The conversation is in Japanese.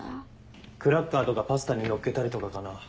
クラッカーとかパスタにのっけたりとかかな。